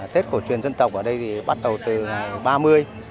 tết cổ truyền dân tộc ở đây thì bắt đầu từ ba mươi